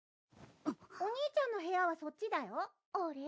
お兄ちゃんの部屋はそっちだよ。